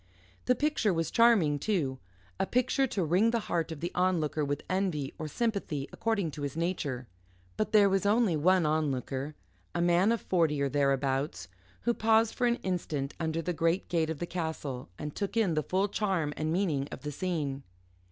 The picture was charming, too a picture to wring the heart of the onlooker with envy, or sympathy, according to his nature. But there was only one onlooker, a man of forty, or thereabouts, who paused for an instant under the great gate of the castle and took in the full charm and meaning of the scene.